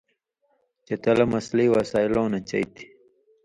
چے تلہ مسئلی وسائلوں نہ چئ تھی۔